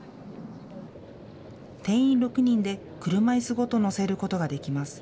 定員６人で、車いすごと乗せることができます。